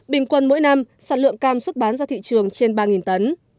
bình quân mỗi năm sản lượng cam xuất bán ra thị trường trên ba tấn